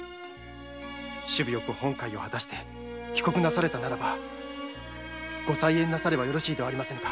首尾よく本懐を果たして帰国なされたならばご再縁なさればよろしいではありませんか。